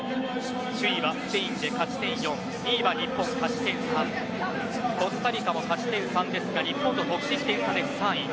首位はスペインで勝ち点４２位は日本、勝ち点３コスタリカの勝ち点３ですが日本と得失点差で３位。